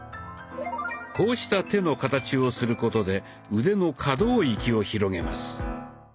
こうした手の形をすることで腕の可動域を広げます。